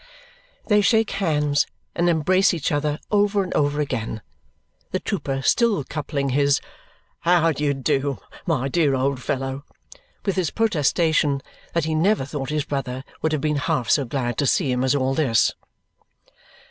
They shake hands and embrace each other over and over again, the trooper still coupling his "How do you do, my dear old fellow!" with his protestation that he never thought his brother would have been half so glad to see him as all this!